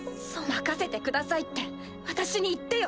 任せてくださいって私に言ってよ。